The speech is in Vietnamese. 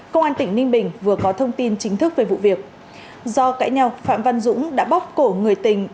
công an tỉnh ninh bình vừa có thông tin chính thức về vụ việc do cãi nhau phạm văn dũng đã bóc cổ người tình